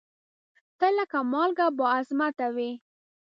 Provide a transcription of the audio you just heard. ته لکه مالکه بااعظمته وې